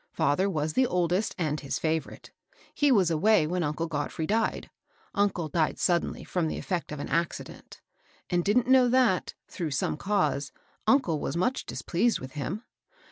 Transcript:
Father was the oldest and his favorite. He was away when uncle Godfrey died (uncle died suddenly, from the effect of an accident), and didn't know that, through some cause, uncle was much displeased with him.